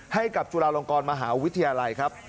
ให้กับจุฬารองกรมหาวิทยาลัย